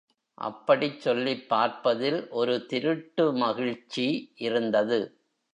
அப்படிச் சொல்லிப் பார்ப்பதில் ஒரு திருட்டு மகிழ்ச்சி இருந்தது.